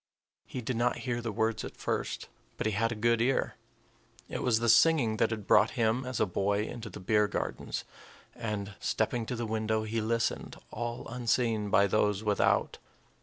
He did not hear the words at first, but he had a good ear, it was the singing that had brought him, as a boy, into the beer gardens, and, stepping to the window, he listened, all unseen by those without.